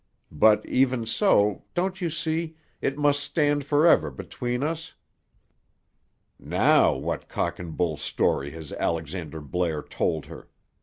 But, even so, don't you see, it must stand forever between us?" "Now, what cock and bull story has Alexander Blair told her?"